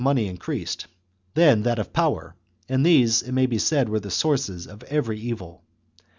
9 money increased, then that of power, and these, it chap. x. may be said, were the sources of every evil.